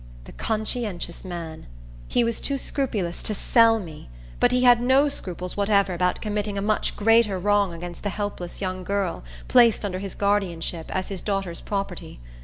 The conscientious man! He was too scrupulous to sell me; but he had no scruples whatever about committing a much greater wrong against the helpless young girl placed under his guardianship, as his daughter's property.